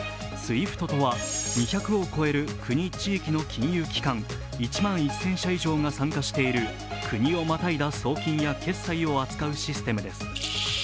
ＳＷＩＦＴとは、２００を超える国・地域の金融機関、１万１０００社以上が参加している国をまたいだ送金を扱うシステムです。